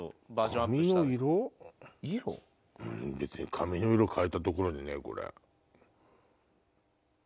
別に髪の色変えたところでね。